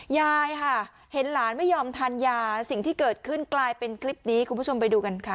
ยายค่ะเห็นหลานไม่ยอมทานยาสิ่งที่เกิดขึ้นกลายเป็นคลิปนี้คุณผู้ชมไปดูกันค่ะ